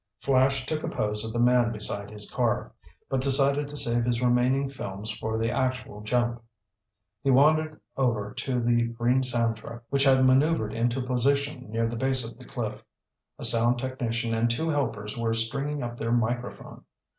Flash took a pose of the man beside his car, but decided to save his remaining films for the actual jump. He wandered over toward the green sound truck which had maneuvered into position near the base of the cliff. A sound technician and two helpers were stringing up their microphone.